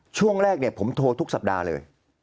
ช่วงแรกเนี่ยผมโทรทุกสัปดาห์เลย